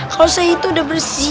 kalau saya itu udah bersih